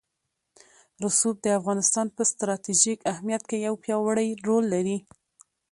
رسوب د افغانستان په ستراتیژیک اهمیت کې یو پیاوړی رول لري.